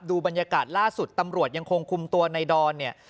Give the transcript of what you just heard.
บรรยากาศล่าสุดตำรวจยังคงคุมตัวในดอนเนี่ย